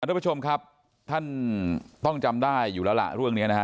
ทุกผู้ชมครับท่านต้องจำได้อยู่แล้วล่ะเรื่องนี้นะฮะ